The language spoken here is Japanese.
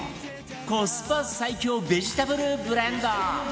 コスパ最強ベジタブルブレンド